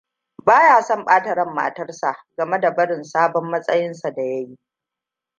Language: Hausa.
Ba ya son ɓata ran matarsa game da barin sabon matsayinsa da ya yi.